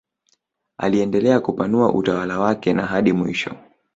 Aliendelea kupanua utawala wake na hadi mwisho